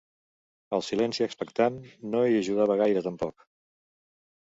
El silenci expectant no hi ajudava gaire, tampoc.